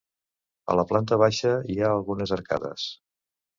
A la planta baixa hi ha algunes arcades.